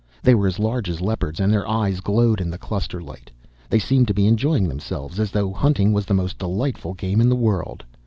They were as large as leopards and their eyes glowed in the cluster light. They seemed to be enjoying themselves, as though hunting was the most delightful game in the world.